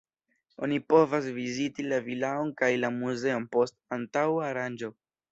Oni povas viziti la vilaon kaj la muzeon post antaŭa aranĝo.